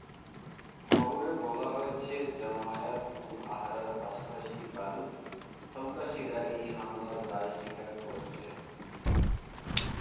খবরে বলা হয়েছে, জামায়াত-উল-আহরার পাশাপাশি বালুচ সন্ত্রাসীরা এই হামলার দায় স্বীকার করেছে।